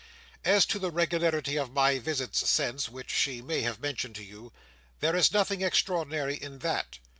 As to the regularity of my visits since (which she may have mentioned to you), there is nothing extraordinary in that.